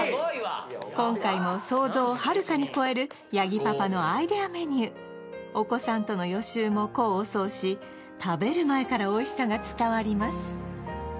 今回も想像をはるかに超える八木パパのアイデアメニューお子さんとの予習も功を奏し食べる前からおいしさが伝わります